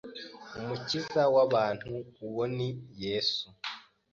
Umukiza w’abantu uwo ni yesu